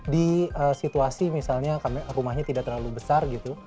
di situasi misalnya rumahnya tidak terlalu besar gitu